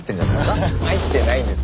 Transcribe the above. ハハッ入ってないです。